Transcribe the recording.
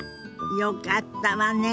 よかったわね。